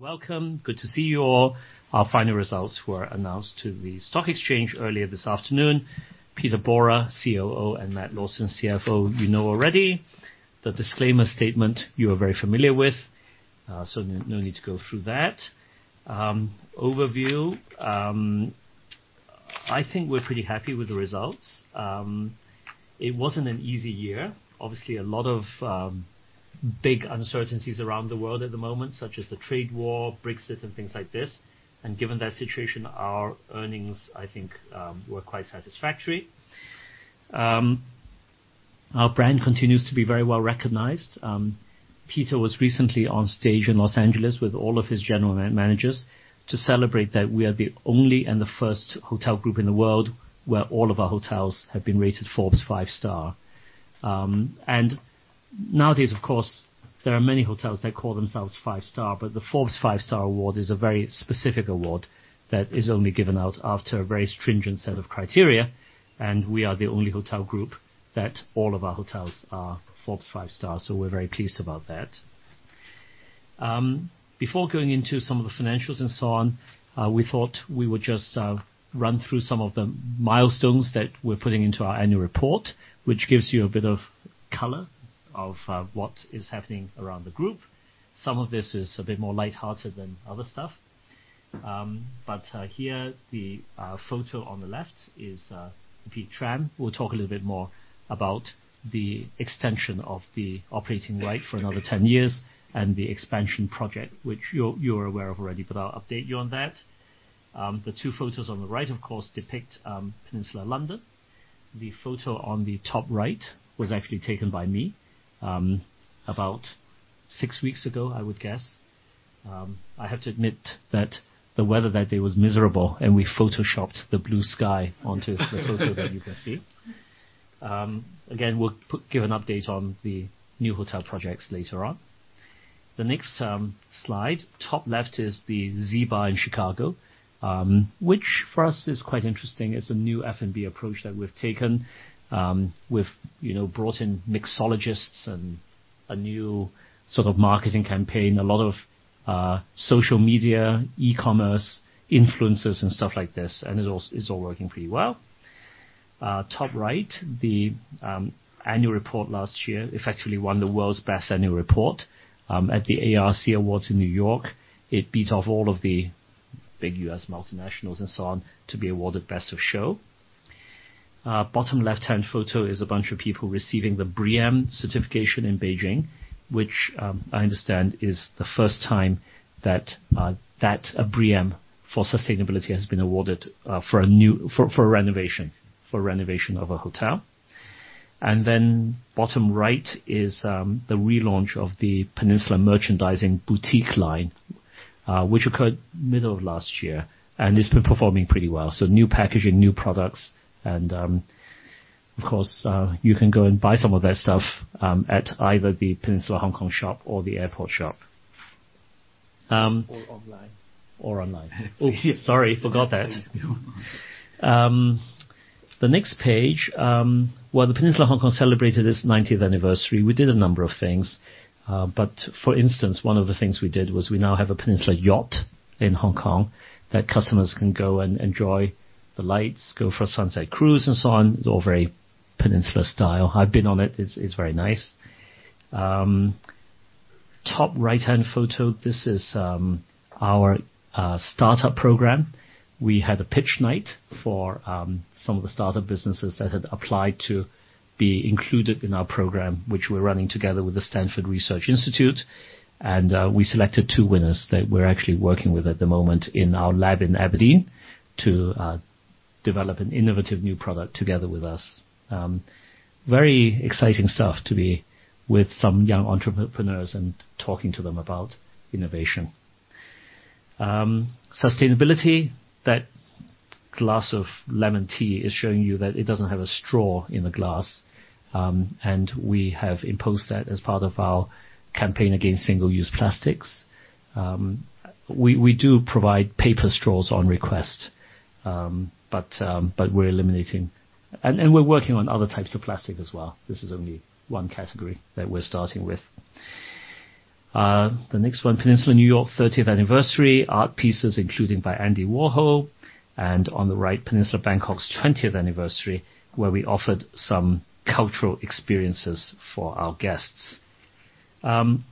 Welcome. Good to see you all. Our final results were announced to the stock exchange earlier this afternoon. Peter Borer, COO, and Matt Lawson, CFO, you know already. The disclaimer statement you are very familiar with, so no need to go through that. Overview. I think we're pretty happy with the results. It wasn't an easy year. Obviously, a lot of big uncertainties around the world at the moment, such as the trade war, Brexit, and things like this. Given that situation, our earnings, I think, were quite satisfactory. Our brand continues to be very well-recognized. Peter was recently on stage in Los Angeles with all of his general managers to celebrate that we are the only and the first hotel group in the world where all of our hotels have been rated Forbes Five-Star. Nowadays, of course, there are many hotels that call themselves five-star, but the Forbes Five-Star award is a very specific award that is only given out after a very stringent set of criteria, and we are the only hotel group that all of our hotels are Forbes Five-Star. We're very pleased about that. Before going into some of the financials and so on, we thought we would just run through some of the milestones that we're putting into our annual report, which gives you a bit of color of what is happening around the group. Some of this is a bit more lighthearted than other stuff. Here, the photo on the left is Peak Tram. We'll talk a little bit more about the extension of the operating right for another 10 years and the expansion project, which you're aware of already, but I'll update you on that. The two photos on the right, of course, depict Peninsula London. The photo on the top right was actually taken by me, about six weeks ago, I would guess. I have to admit that the weather that day was miserable and we photoshopped the blue sky onto the photo that you can see. Again, we'll give an update on the new hotel projects later on. The next slide, top left is the Z Bar in Chicago, which for us is quite interesting. It's a new F&B approach that we've taken. We've brought in mixologists and a new sort of marketing campaign, a lot of social media, e-commerce, influencers, and stuff like this, and it's all working pretty well. Top right, the annual report last year effectively won the world's best annual report at the ARC Awards in New York. It beat off all of the big U.S. multinationals and so on to be awarded Best of Show. Bottom left-hand photo is a bunch of people receiving the BREEAM certification in Beijing, which I understand is the first time that a BREEAM for sustainability has been awarded for renovation of a hotel. Bottom right is the relaunch of the Peninsula Merchandising boutique line, which occurred middle of last year, and it's been performing pretty well. New packaging, new products, and of course, you can go and buy some of that stuff at either the Peninsula Hong Kong shop or the airport shop. Or online. Oh, sorry, forgot that. The next page, well, the Peninsula Hong Kong celebrated its 90th anniversary. We did a number of things. For instance, one of the things we did was we now have a Peninsula Yacht in Hong Kong that customers can go and enjoy the lights, go for a sunset cruise and so on. It's all very Peninsula style. I've been on it. It's very nice. Top right-hand photo, this is our startup program. We had a pitch night for some of the startup businesses that had applied to be included in our program, which we're running together with the Stanford Research Institute. We selected two winners that we're actually working with at the moment in our lab in Aberdeen to develop an innovative new product together with us. Very exciting stuff to be with some young entrepreneurs and talking to them about innovation. Sustainability, that glass of lemon tea is showing you that it doesn't have a straw in the glass. We have imposed that as part of our campaign against single-use plastics. We do provide paper straws on request, but we are eliminating. We're working on other types of plastic as well. This is only one category that we're starting with. The next one, Peninsula New York 30th anniversary. Art pieces including by Andy Warhol, and on the right, Peninsula Bangkok's 20th anniversary, where we offered some cultural experiences for our guests. In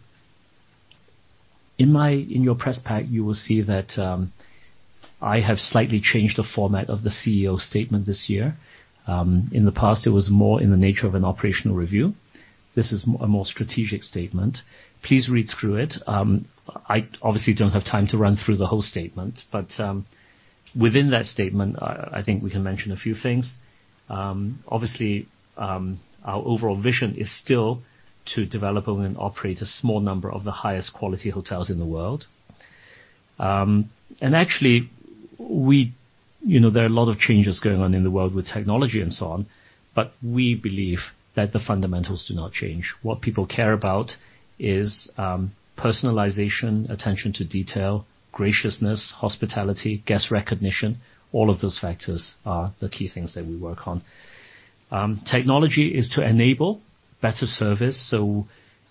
your press pack, you will see that I have slightly changed the format of the CEO statement this year. In the past, it was more in the nature of an operational review. This is a more strategic statement. Please read through it. I obviously don't have time to run through the whole statement, but within that statement, I think we can mention a few things. Obviously, our overall vision is still to develop and operate a small number of the highest quality hotels in the world. Actually, there are a lot of changes going on in the world with technology and so on, but we believe that the fundamentals do not change. What people care about is personalization, attention to detail, graciousness, hospitality, guest recognition. All of those factors are the key things that we work on. Technology is to enable better service.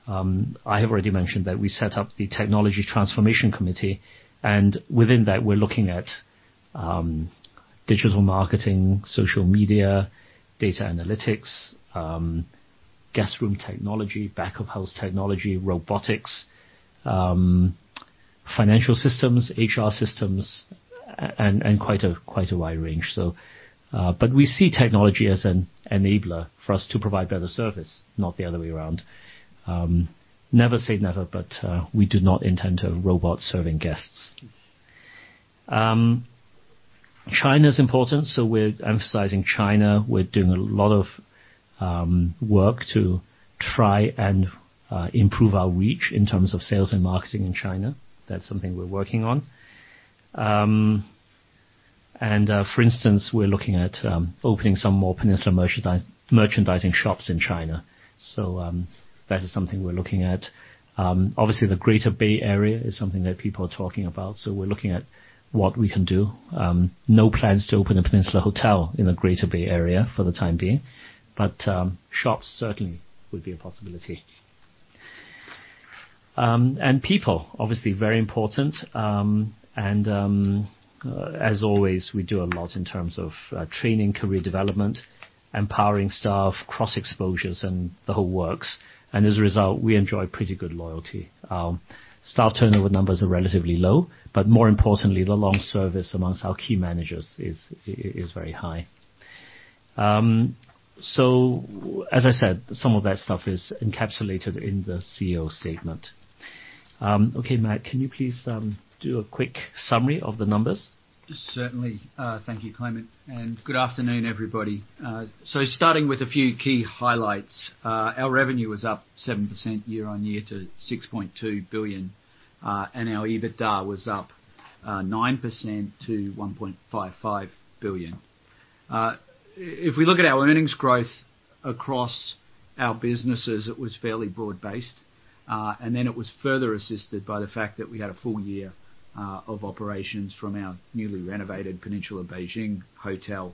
I have already mentioned that we set up the technology transformation committee, and within that, we're looking at digital marketing, social media, data analytics, guest room technology, back of house technology, robotics, financial systems, HR systems, and quite a wide range. We see technology as an enabler for us to provide better service, not the other way around. Never say never, but we do not intend to have robots serving guests. China's important, so we're emphasizing China. We're doing a lot of work to try and improve our reach in terms of sales and marketing in China. That's something we're working on. For instance, we're looking at opening some more Peninsula Merchandising shops in China. That is something we're looking at. Obviously, the Greater Bay Area is something that people are talking about, so we're looking at what we can do. No plans to open a Peninsula hotel in the Greater Bay Area for the time being, but shops certainly would be a possibility. People, obviously very important. As always, we do a lot in terms of training, career development, empowering staff, cross exposures, and the whole works. As a result, we enjoy pretty good loyalty. Our staff turnover numbers are relatively low, more importantly, the long service amongst our key managers is very high. As I said, some of that stuff is encapsulated in the CEO statement. Okay, Matt, can you please do a quick summary of the numbers? Certainly. Thank you, Clement. Good afternoon, everybody. Starting with a few key highlights. Our revenue was up 7% year-on-year to 6.2 billion, and our EBITDA was up 9% to 1.55 billion. If we look at our earnings growth across our businesses, it was fairly broad based. It was further assisted by the fact that we had a full year of operations from our newly renovated Peninsula Beijing hotel.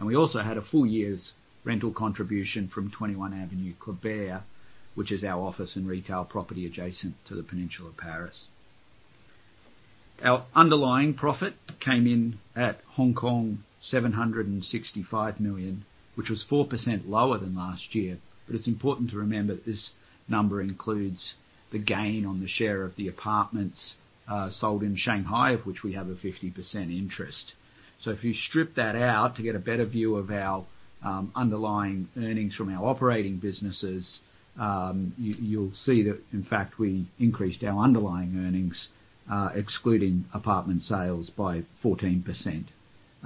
We also had a full year's rental contribution from 21 avenue Kléber, which is our office and retail property adjacent to the Peninsula Paris. Our underlying profit came in at 765 million, which was 4% lower than last year. It's important to remember that this number includes the gain on the share of the apartments sold in Shanghai, of which we have a 50% interest. If you strip that out to get a better view of our underlying earnings from our operating businesses, you'll see that in fact, we increased our underlying earnings, excluding apartment sales, by 14%.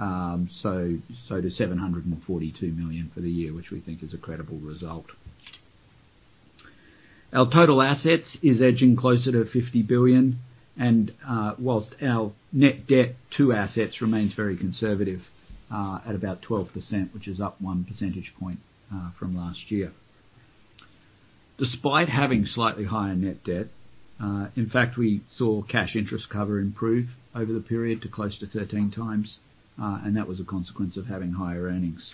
To 742 million for the year, which we think is a credible result. Our total assets is edging closer to 50 billion, whilst our net debt to assets remains very conservative at about 12%, which is up one percentage point from last year. Despite having slightly higher net debt, in fact, we saw cash interest cover improve over the period to close to 13 times, that was a consequence of having higher earnings.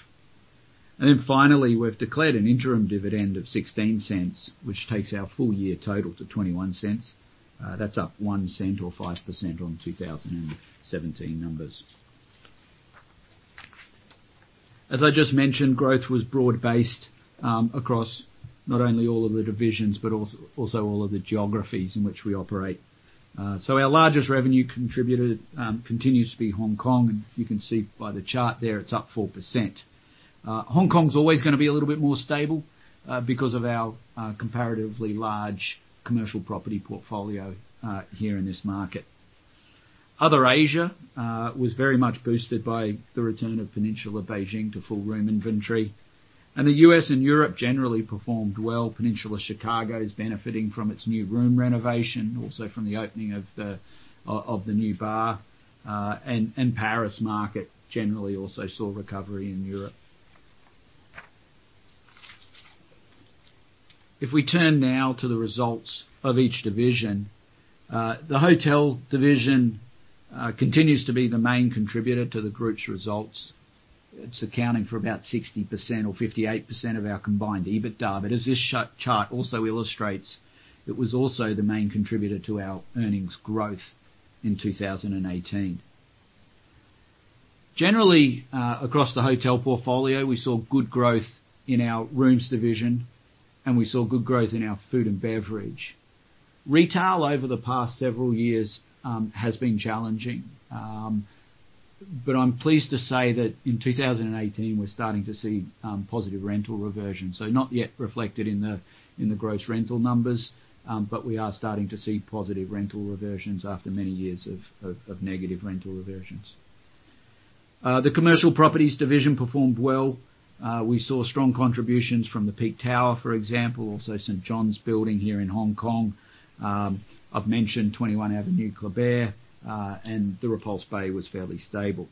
Finally, we've declared an interim dividend of 0.16, which takes our full year total to 0.21. That's up 0.01 or 5% on 2017 numbers. As I just mentioned, growth was broad based across not only all of the divisions, also all of the geographies in which we operate. Our largest revenue contributor continues to be Hong Kong. You can see by the chart there, it's up 4%. Hong Kong's always going to be a little bit more stable because of our comparatively large commercial property portfolio here in this market. Other Asia was very much boosted by the return of The Peninsula Beijing to full room inventory. The U.S. and Europe generally performed well. The Peninsula Chicago is benefiting from its new room renovation, also from the opening of the Z Bar. Paris market generally also saw recovery in Europe. If we turn now to the results of each division, the Hotel division continues to be the main contributor to the group's results. It's accounting for about 60% or 58% of our combined EBITDA. As this chart also illustrates, it was also the main contributor to our earnings growth in 2018. Generally, across the hotel portfolio, we saw good growth in our rooms division, and we saw good growth in our food and beverage. Retail over the past several years has been challenging. I'm pleased to say that in 2018, we're starting to see positive rental reversion. Not yet reflected in the gross rental numbers, but we are starting to see positive rental reversions after many years of negative rental reversions. The commercial properties division performed well. We saw strong contributions from the Peak Tower, for example, St. John's Building here in Hong Kong. I've mentioned 21 avenue Kléber, and the Repulse Bay was fairly stable.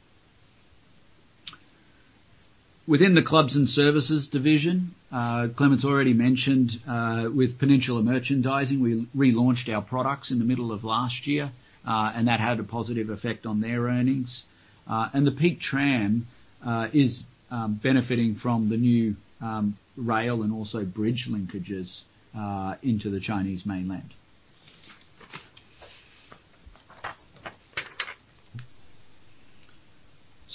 Within the clubs and services division, Clement's already mentioned with Peninsula Merchandising, we relaunched our products in the middle of last year, that had a positive effect on their earnings. The Peak Tram is benefiting from the new rail and also bridge linkages into the Chinese mainland.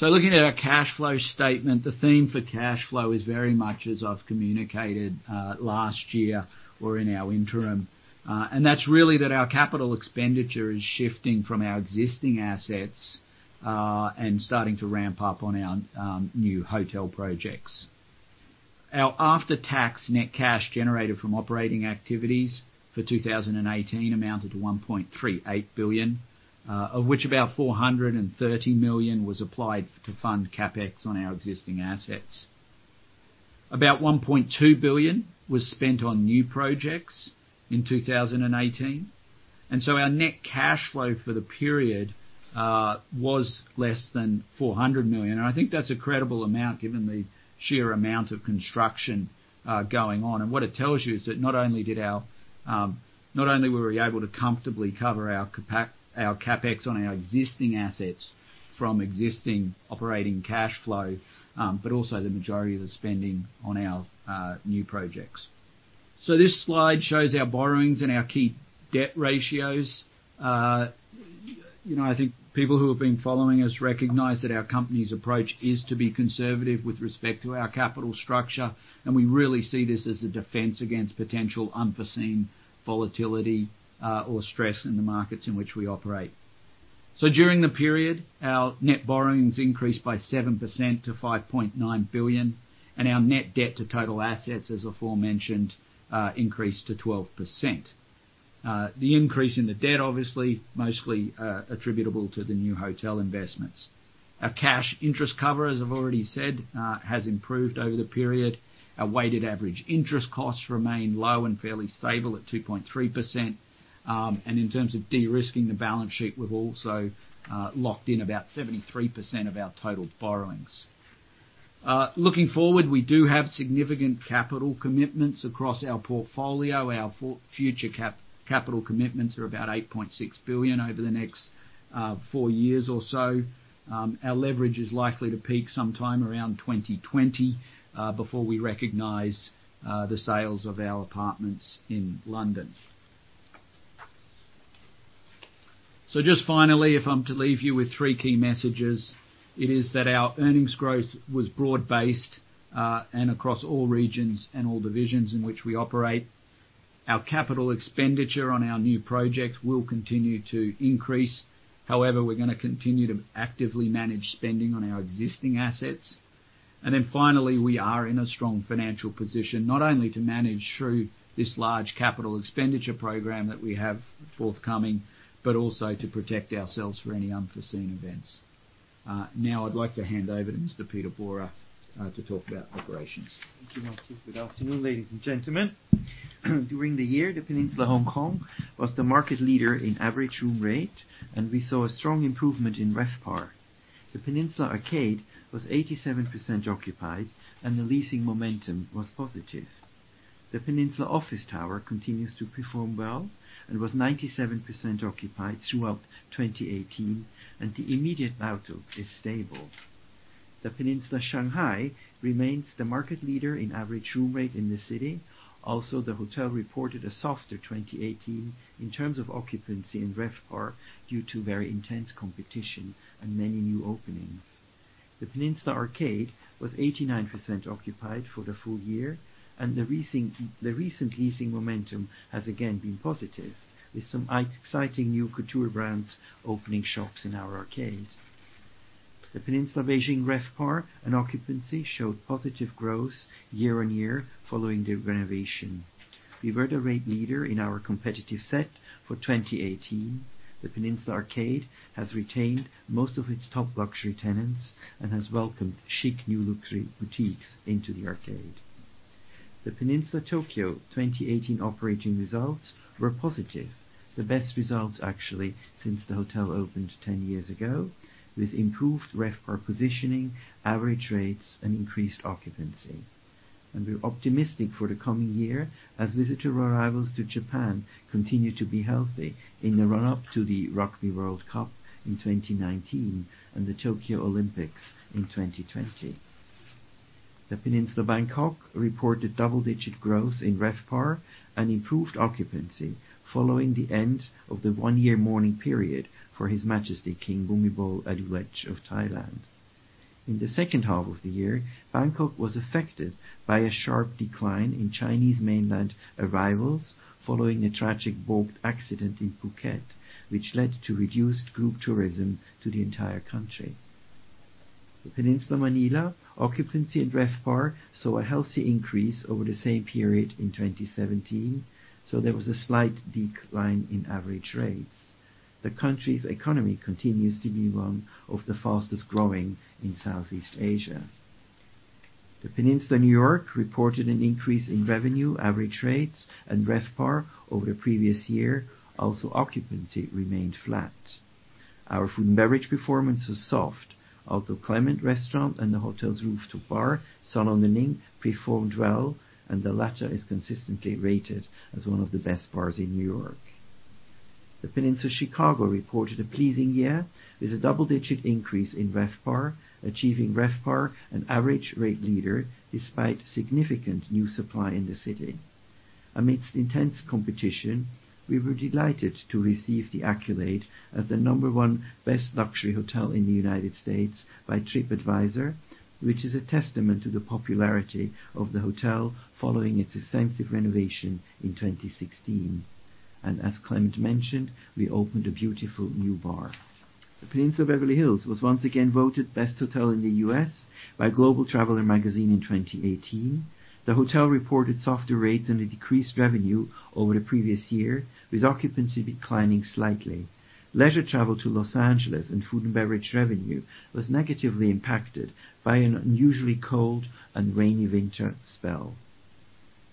Looking at our cash flow statement, the theme for cash flow is very much as I've communicated last year or in our interim. That's really that our capital expenditure is shifting from our existing assets and starting to ramp up on our new hotel projects. Our after-tax net cash generated from operating activities for 2018 amounted to 1.38 billion, of which about 430 million was applied to fund CapEx on our existing assets. About 1.2 billion was spent on new projects in 2018, our net cash flow for the period was less than 400 million. I think that's a credible amount given the sheer amount of construction going on. What it tells you is that not only were we able to comfortably cover our CapEx on our existing assets from existing operating cash flow, but also the majority of the spending on our new projects. This slide shows our borrowings and our key debt ratios. I think people who have been following us recognize that our company's approach is to be conservative with respect to our capital structure, we really see this as a defense against potential unforeseen volatility or stress in the markets in which we operate. During the period, our net borrowings increased by 7% to 5.9 billion, and our net debt to total assets, as aforementioned, increased to 12%. The increase in the debt, obviously, mostly attributable to the new hotel investments. Our cash interest cover, as I've already said, has improved over the period. Our weighted average interest costs remain low and fairly stable at 2.3%. In terms of de-risking the balance sheet, we've also locked in about 73% of our total borrowings. Looking forward, we do have significant capital commitments across our portfolio. Our future capital commitments are about 8.6 billion over the next four years or so. Our leverage is likely to peak sometime around 2020, before we recognize the sales of our apartments in London. Just finally, if I'm to leave you with three key messages, it is that our earnings growth was broad based and across all regions and all divisions in which we operate. Our capital expenditure on our new projects will continue to increase. However, we're going to continue to actively manage spending on our existing assets. Finally, we are in a strong financial position, not only to manage through this large capital expenditure program that we have forthcoming, but also to protect ourselves for any unforeseen events. Now I'd like to hand over to Mr. Peter Borer to talk about operations. Thank you, Matthew. Good afternoon, ladies and gentlemen. During the year, The Peninsula Hong Kong was the market leader in average room rate, and we saw a strong improvement in RevPAR. The Peninsula Arcade was 87% occupied, and the leasing momentum was positive. The Peninsula Office Tower continues to perform well and was 97% occupied throughout 2018, and the immediate outlook is stable. The Peninsula Shanghai remains the market leader in average room rate in the city. The hotel reported a softer 2018 in terms of occupancy and RevPAR due to very intense competition and many new openings. The Peninsula Arcade was 89% occupied for the full year, and the recent leasing momentum has again been positive, with some exciting new couture brands opening shops in our arcade. The Peninsula Beijing RevPAR and occupancy showed positive growth year-on-year following the renovation. We were the rate leader in our competitive set for 2018. The Peninsula Arcade has retained most of its top luxury tenants and has welcomed chic new luxury boutiques into the arcade. The Peninsula Tokyo 2018 operating results were positive. The best results, actually, since the hotel opened 10 years ago, with improved RevPAR positioning, average rates, and increased occupancy. We are optimistic for the coming year as visitor arrivals to Japan continue to be healthy in the run-up to the Rugby World Cup in 2019 and the Tokyo Olympics in 2020. The Peninsula Bangkok reported double-digit growth in RevPAR and improved occupancy following the end of the one-year mourning period for His Majesty King Bhumibol Adulyadej of Thailand. In the second half of the year, Bangkok was affected by a sharp decline in Chinese mainland arrivals following a tragic boat accident in Phuket, which led to reduced group tourism to the entire country. The Peninsula Manila occupancy and RevPAR saw a healthy increase over the same period in 2017, there was a slight decline in average rates. The country's economy continues to be one of the fastest growing in Southeast Asia. The Peninsula New York reported an increase in revenue, average rates, and RevPAR over the previous year. Occupancy remained flat. Our food and beverage performance was soft, although Clement restaurant and the hotel's rooftop bar, Salon de Ning, performed well, and the latter is consistently rated as one of the best bars in New York. The Peninsula Chicago reported a pleasing year with a double-digit increase in RevPAR, achieving RevPAR and average rate leader despite significant new supply in the city. Amidst intense competition, we were delighted to receive the accolade as the number one best luxury hotel in the U.S. by Tripadvisor, which is a testament to the popularity of the hotel following its extensive renovation in 2016. As Clement mentioned, we opened a beautiful new bar. The Peninsula Beverly Hills was once again voted best hotel in the U.S. by Global Traveler Magazine in 2018. The hotel reported softer rates and a decreased revenue over the previous year, with occupancy declining slightly. Leisure travel to Los Angeles and food and beverage revenue was negatively impacted by an unusually cold and rainy winter spell.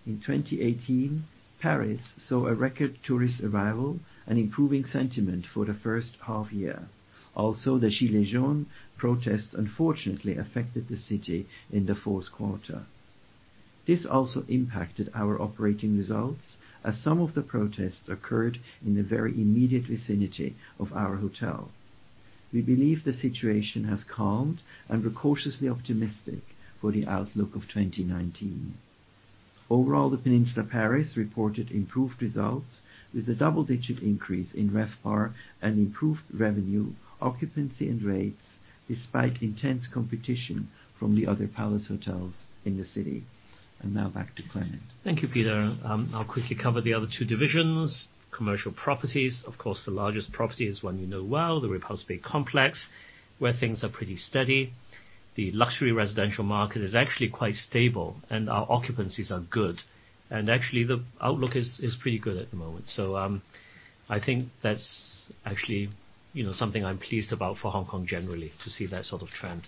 In 2018, Paris saw a record tourist arrival and improving sentiment for the first half year. The Gilets Jaunes protests unfortunately affected the city in the fourth quarter. This also impacted our operating results as some of the protests occurred in the very immediate vicinity of our hotel. We believe the situation has calmed and we're cautiously optimistic for the outlook of 2019. Overall, The Peninsula Paris reported improved results with a double-digit increase in RevPAR and improved revenue, occupancy, and rates despite intense competition from the other Palace hotels in the city. Now back to Clement. Thank you, Peter. I'll quickly cover the other two divisions. Commercial properties. Of course, the largest property is one you know well, the Repulse Bay complex, where things are pretty steady. The luxury residential market is actually quite stable, and our occupancies are good. Actually, the outlook is pretty good at the moment. I think that's actually something I'm pleased about for Hong Kong generally to see that sort of trend.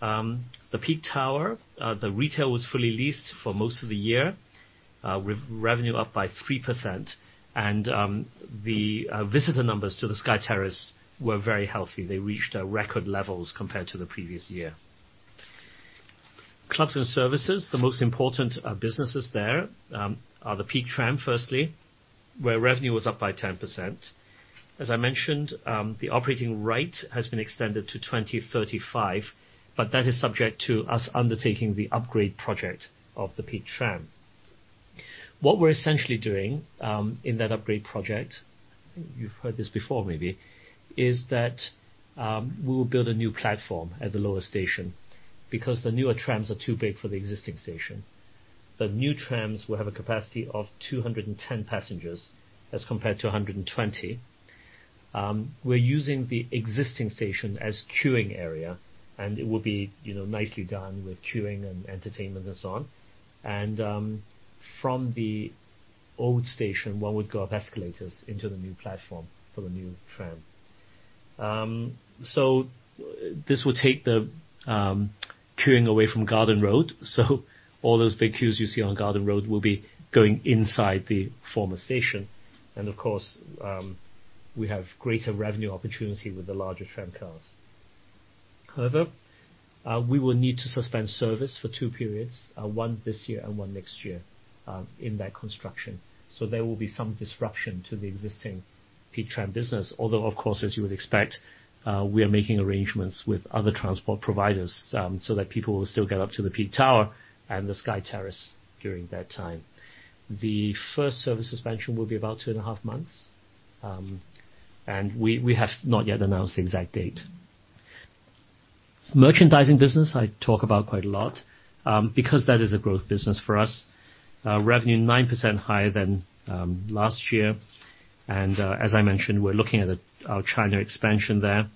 The Peak Tower, the retail was fully leased for most of the year, with revenue up by 3%, and the visitor numbers to the Sky Terrace were very healthy. They reached record levels compared to the previous year. Clubs and services. The most important businesses there are the Peak Tram, firstly, where revenue was up by 10%. As I mentioned, the operating right has been extended to 2035, but that is subject to us undertaking the upgrade project of the Peak Tram. What we're essentially doing in that upgrade project, you've heard this before maybe, is that we will build a new platform at the lower station because the newer trams are too big for the existing station. The new trams will have a capacity of 210 passengers as compared to 120. We're using the existing station as queuing area, and it will be nicely done with queuing and entertainment and so on. From the old station, one would go up escalators into the new platform for the new tram. This will take the queuing away from Garden Road. All those big queues you see on Garden Road will be going inside the former station. Of course, we have greater revenue opportunity with the larger tram cars. However, we will need to suspend service for two periods, one this year and one next year, in that construction. There will be some disruption to the existing Peak Tram business. Although, of course, as you would expect, we are making arrangements with other transport providers so that people will still get up to the Peak Tower and the Sky Terrace during that time. The first service suspension will be about two and a half months. We have not yet announced the exact date. Merchandising business, I talk about quite a lot because that is a growth business for us. Revenue is 9% higher than last year. As I mentioned, we're looking at our China expansion there.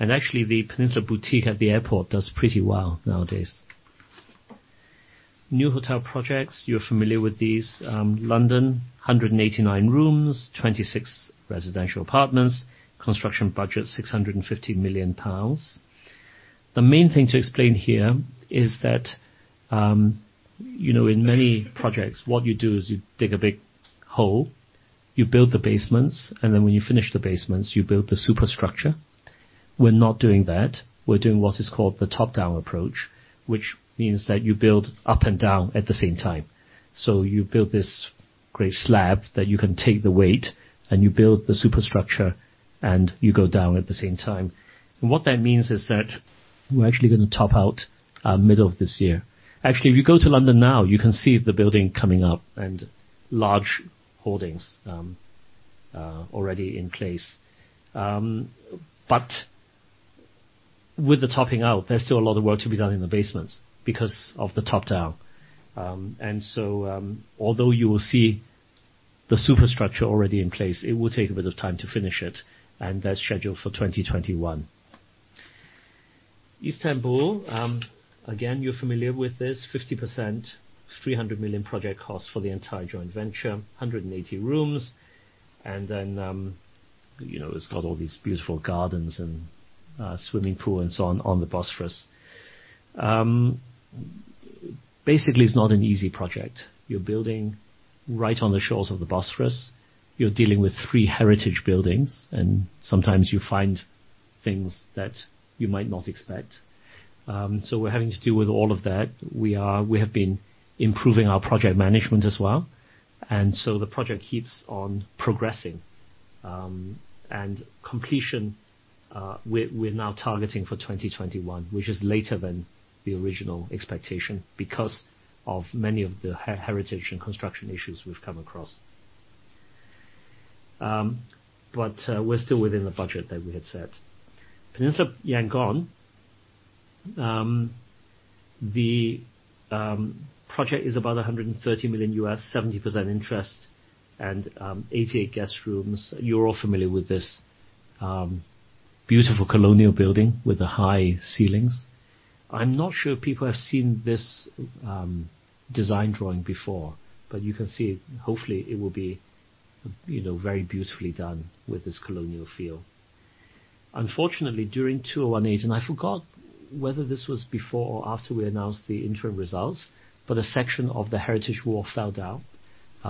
Actually, the Peninsula boutique at the airport does pretty well nowadays. New hotel projects, you're familiar with these. London, 189 rooms, 26 residential apartments, construction budget, 650 million pounds. The main thing to explain here is that in many projects, what you do is you dig a big hole, you build the basements, then when you finish the basements, you build the superstructure. We're not doing that. We're doing what is called the top-down approach, which means that you build up and down at the same time. You build this great slab that you can take the weight and you build the superstructure and you go down at the same time. What that means is that we're actually going to top out middle of this year. Actually, if you go to London now, you can see the building coming up and large holdings already in place. With the topping out, there's still a lot of work to be done in the basements because of the top-down. Although you will see the superstructure already in place, it will take a bit of time to finish it, and that's scheduled for 2021. Istanbul, again, you're familiar with this, 50%, 300 million project cost for the entire joint venture, 180 rooms. Then it's got all these beautiful gardens and a swimming pool and so on the Bosphorus. Basically, it's not an easy project. You're building right on the shores of the Bosphorus. You're dealing with three heritage buildings, and sometimes you find things that you might not expect. We're having to deal with all of that. We have been improving our project management as well. The project keeps on progressing. Completion, we're now targeting for 2021, which is later than the original expectation because of many of the heritage and construction issues we've come across. We're still within the budget that we had set. Peninsula Yangon. The project is about $130 million, 70% interest and 88 guest rooms. You're all familiar with this beautiful colonial building with the high ceilings. I'm not sure if people have seen this design drawing before, but you can see. Hopefully, it will be very beautifully done with this colonial feel. Unfortunately, during 2018, and I forgot whether this was before or after we announced the interim results, but a section of the heritage wall fell down.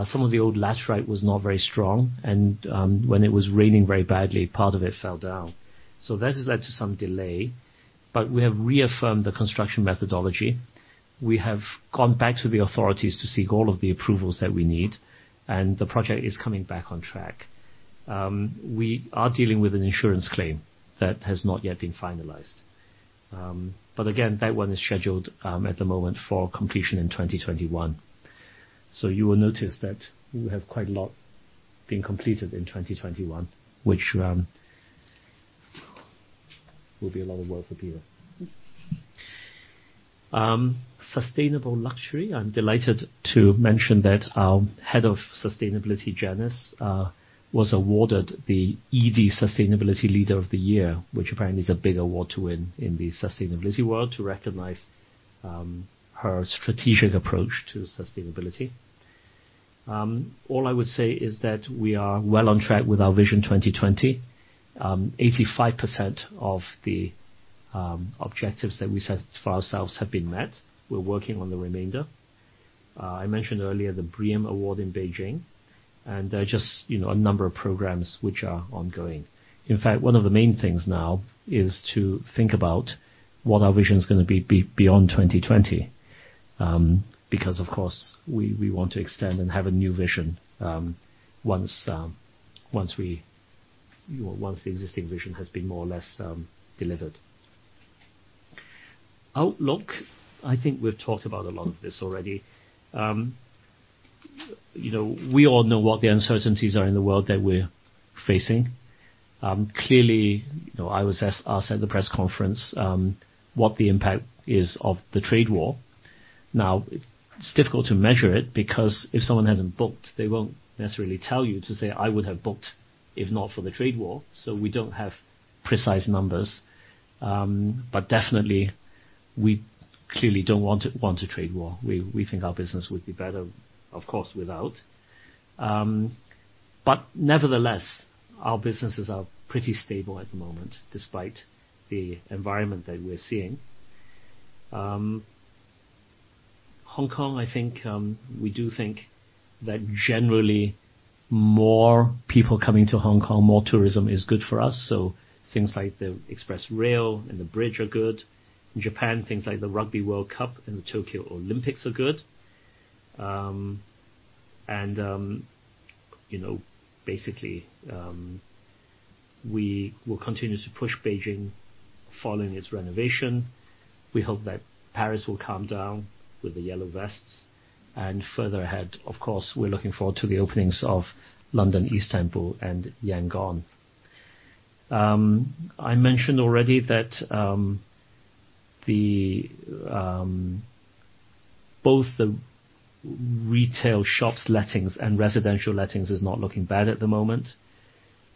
Some of the old laterite was not very strong and when it was raining very badly, part of it fell down. That has led to some delay, but we have reaffirmed the construction methodology. We have gone back to the authorities to seek all of the approvals that we need. The project is coming back on track. We are dealing with an insurance claim that has not yet been finalized. Again, that one is scheduled, at the moment, for completion in 2021. You will notice that we have quite a lot being completed in 2021, which will be a lot of work for Peter. Sustainable luxury. I'm delighted to mention that our head of sustainability, Janice, was awarded the edie Sustainability Leader of the Year, which apparently is a big award to win in the sustainability world, to recognize her strategic approach to sustainability. All I would say is that we are well on track with our Vision 2020. 85% of the objectives that we set for ourselves have been met. We're working on the remainder. I mentioned earlier the BREEAM award in Beijing. There are just a number of programs which are ongoing. In fact, one of the main things now is to think about what our vision's going to be beyond 2020. Of course, we want to extend and have a new vision once the existing vision has been more or less delivered. Outlook. I think we've talked about a lot of this already. We all know what the uncertainties are in the world that we're facing. Clearly, I was asked at the press conference what the impact is of the trade war. It's difficult to measure it because if someone hasn't booked, they won't necessarily tell you to say, "I would have booked if not for the trade war." We don't have precise numbers. Definitely, we clearly don't want a trade war. We think our business would be better, of course, without. Nevertheless, our businesses are pretty stable at the moment, despite the environment that we're seeing. Hong Kong, we do think that generally more people coming to Hong Kong, more tourism is good for us, so things like the express rail and the bridge are good. In Japan, things like the Rugby World Cup and the Tokyo Olympics are good. Basically, we will continue to push Beijing following its renovation. We hope that Paris will calm down with the yellow vests. Further ahead, of course, we're looking forward to the openings of London, Istanbul, and Yangon. I mentioned already that both the retail shops lettings and residential lettings is not looking bad at the moment.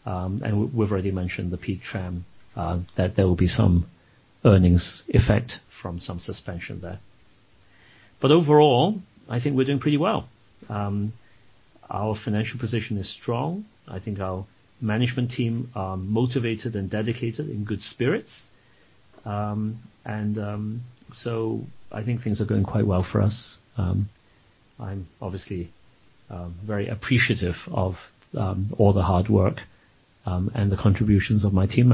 We've already mentioned the Peak Tram, that there will be some earnings effect from some suspension there. Overall, I think we're doing pretty well. Our financial position is strong. I think our management team are motivated and dedicated, in good spirits. I think things are going quite well for us. I'm obviously very appreciative of all the hard work and the contributions of my team.